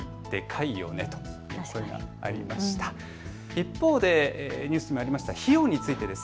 一方でニュースにもありました費用についてです。